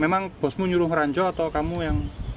memang bosmu nyuruh ranjau atau kamu yang